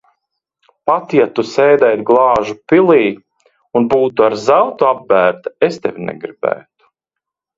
Pat ja Tu sēdētu glāžu pilī un būtu ar zeltu apbērta, es tevi negribētu.